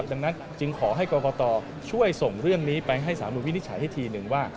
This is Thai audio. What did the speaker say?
ดังนั้นจึงขอให้กรกตช่วยส่งเรื่องนี้ไปให้สารนุวินิจฉัยให้ทีนึงว่า